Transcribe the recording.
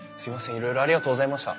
いろいろありがとうございました。